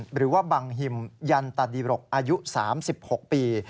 หรือว่าบังฮิมยันตดิรกอายุ๓๖ปี